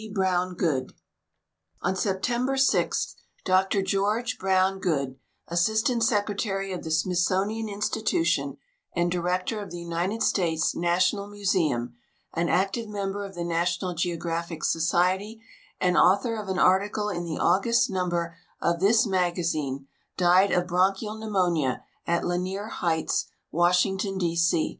BROWN GOODE On September 0, Dr George Brown Goode, Assistant Secretary of the Smithsonian Institution and Director of the United States National Mu seum, an active member of the National Geographic Society, and author of an article in the August number of this IMagazine, died of bronchial pneumonia at Lanier Heights, Washington, D. C.